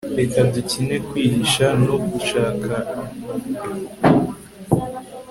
reka dukine kwihisha no gushakana